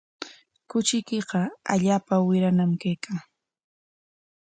Kuchiykiqa allaapa wirañam kaykan.